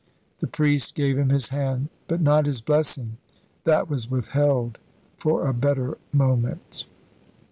The priest gave him his hand, but not his blessing. That was withheld for a better moment.